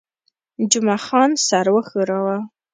جمعه خان سر وښوراوه.